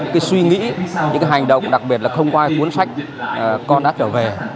cái suy nghĩ những hành động đặc biệt là không qua cuốn sách con đã trở về